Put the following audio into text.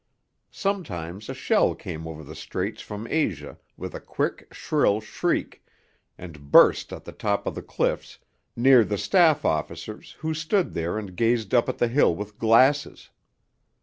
Sometimes a shell came over the Straits from Asia with a quick, shrill shriek, and burst at the top of the cliffs near the staff officers who stood there and gazed up the hill with glasses.